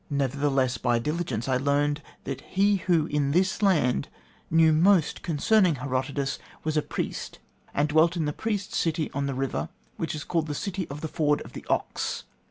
Nevertheless, by diligence I learned that he who in this land knew most concerning Herodotus was a priest, and dwelt in the priests' city on the river which is called the City of the Ford of the Ox.